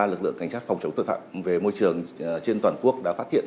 lực lượng cảnh sát phòng chống thực phẩm về môi trường trên toàn quốc đã phát hiện